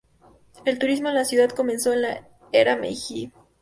El turismo en la ciudad comenzó en la era Meiji.